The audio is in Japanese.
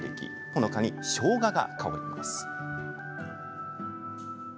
ほのかに、しょうがが香ります。